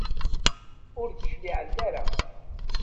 ur d-cliɛent ara.